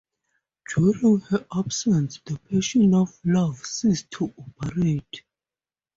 During her absence the passion of love ceased to operate.